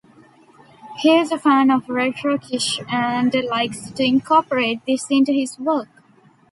He is a fan of retro-kitsch and likes to incorporate this into his work.